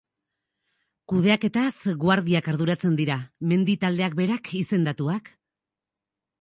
Kudeaketaz guardiak arduratzen dira, mendi taldeak berak izendatuak.